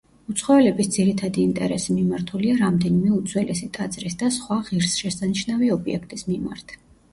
უცხოელების ძირითადი ინტერესი მიმართულია რამდენიმე უძველესი ტაძრის და სხვა ღირსშესანიშნავი ობიექტის მიმართ.